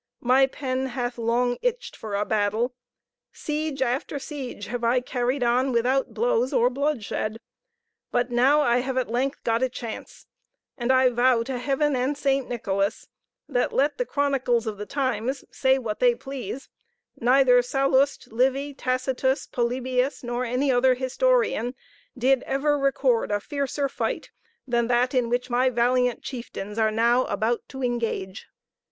My pen hath long itched for a battle siege after siege have I carried on without blows or bloodshed; but now I have at length got a chance, and I vow to Heaven and St. Nicholas that, let the chronicles of the times say what they please, neither Sallust, Livy, Tacitus, Polybius, nor any other historian did ever record a fiercer fight than that in which my valiant chieftains are now about to engage.